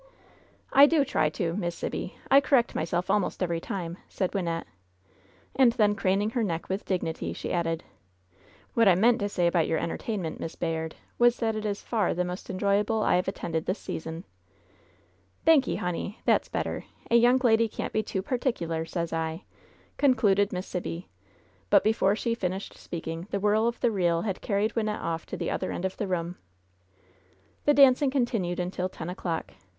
"I do try to. Miss Sibby! I correct myself almost every time," said Wynnette, and then craning her neck with dignity, she added — "What I meant to say about your entertainment, Miss Bayard, was that it is far the most enjoyable I have attended this season." "Thank y', honey, that's better ! A young lady can't be too particular, sez II" concluded Miss Sibby. But before she finished speaking the whirl of the reel had carried Wynnette off to the other end of the room. The dancing continued until ten o'clock.